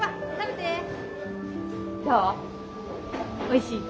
おいしい？